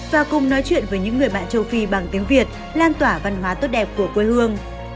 và cùng nói chuyện với những người bạn châu phi bằng tiếng việt lan tỏa văn hóa tốt đẹp của quê hương